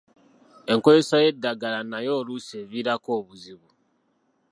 Enkozesa y’eddagala n’ayo oluusi eviirako obuzibu.